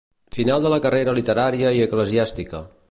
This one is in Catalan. Final de la carrera literària i eclesiàstica.